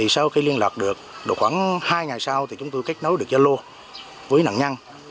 sau khi liên lạc được khoảng hai ngày sau chúng tôi kết nối được giao lô với nạn nhân